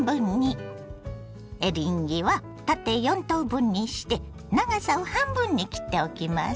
エリンギは縦４等分にして長さを半分に切っておきます。